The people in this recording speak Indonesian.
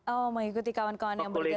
oh mengikuti kawan kawan yang bekerja